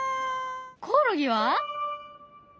コオロギは？